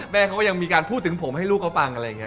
แม่เขาก็ยังมีการพูดถึงผมให้ลูกเขาฟังอะไรอย่างนี้